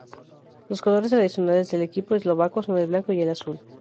Los colores tradicionales del equipo eslovaco son el blanco y el azul.